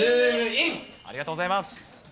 ありがとうございます。